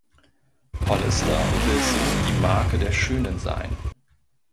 Hollister will so „die Marke der Schönen“ sein.